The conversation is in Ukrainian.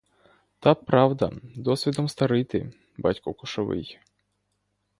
Та, правда, досвідом старий ти, батьку кошовий.